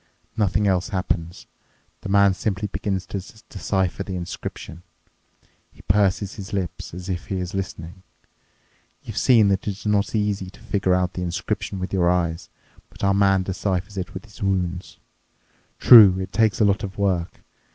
Nothing else happens. The man simply begins to decipher the inscription. He purses his lips, as if he is listening. You've seen that it's not easy to figure out the inscription with your eyes, but our man deciphers it with his wounds. True, it takes a lot of work.